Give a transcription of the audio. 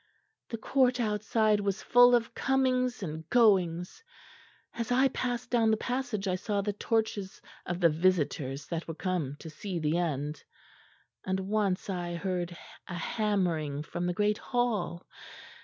The court outside was full of comings and goings. As I passed down the passage I saw the torches of the visitors that were come to see the end; and once I heard a hammering from the great hall.